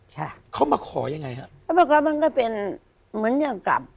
ใช่เขามาขอยังไงฮะเขาบอกว่ามันก็เป็นเหมือนอย่างกลับ